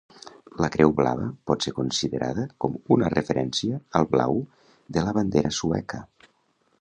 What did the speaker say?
La creu blava pot ser considerada com una referència al blau de la bandera sueca.